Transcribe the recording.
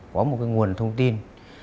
có một cái nguồn thông tin